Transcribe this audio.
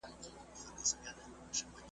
بیا به ښکلی کندهار وي نه به شیخ نه به اغیار وي .